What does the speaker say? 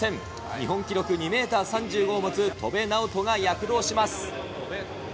日本記録２メートル３５を持つ戸邉直人が躍動します。